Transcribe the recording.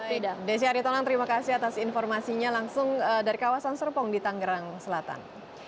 baik desya aritonang terima kasih atas informasinya langsung dari kawasan serpong di tangerang selatan